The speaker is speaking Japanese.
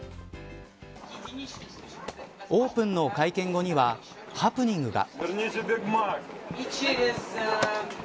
オープンの会見後にはハプニングが。